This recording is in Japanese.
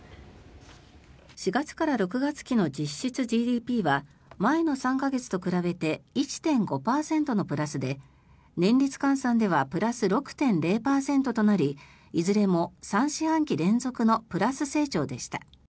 ４月から６月期の実質ＧＤＰは前の３か月と比べて１．５％のプラスで年率換算ではプラス６．０％となりいずれも３四半期連続のプラス成長でした。